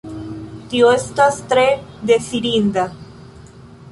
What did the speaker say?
Tio estas tre dezirinda.